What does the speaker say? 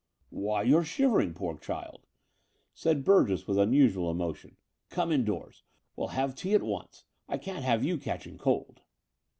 "Why, you're shivering, poor child," said Burgess with unusual emotion. "Come indoors: we'll have tea at once. I can't have you catching cold."